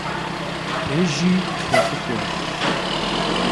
Пежьи тхуэлӏыкӏуэ.